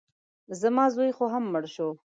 زما زوی خو هم مړ شو.